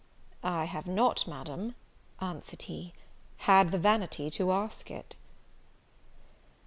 "I have not, Madam," answered he, "had the vanity to ask it."